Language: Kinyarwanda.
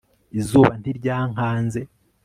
Izuba ntiryankanze